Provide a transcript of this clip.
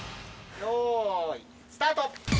よーい、スタート。